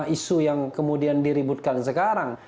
isu yang kemudian diributkan sekarang